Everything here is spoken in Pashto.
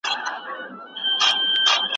ایا ستا مقاله د لارښود استاد په خوښه ده؟